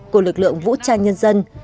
của lực lượng vũ trang nhân dân